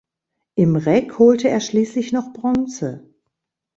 Im Reck holte er schließlich noch Bronze.